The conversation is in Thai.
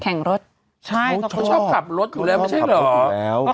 เขาชอบขับรถอยู่แล้วไม่ใช่หรอ